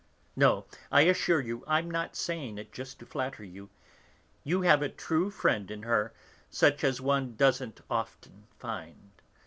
"No, I assure you, I'm not saying it just to flatter you; you have a true friend in her, such as one doesn't often find.